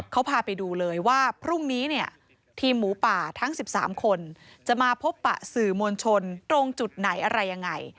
เขาพาไปดูเลยว่าพรุ่งนี้เนี่ยทีมหมูป่าทั้ง๑๓คนจะมาพบปะสื่อมวลชนตรงจุดไหนอะไรยังไง